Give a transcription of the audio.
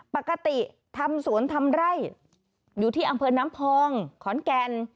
ปกติทำสวนทำไร่อยู่ที่อำเภอน้ำพองขอนแก่น